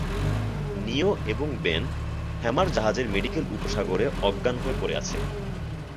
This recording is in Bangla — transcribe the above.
নিও এবং বেন "হ্যামার" জাহাজের মেডিকেল উপসাগরে অজ্ঞান হয়ে পড়ে আছে।